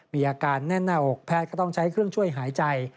มีอาการแน่นหน้าอกแพทย์ก็ต้องใช้เครื่องช่วยหายใจ